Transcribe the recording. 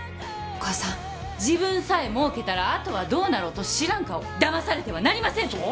お母さん自分さえ儲けたらあとはどうなろうと知らん顔だまされてはなりません！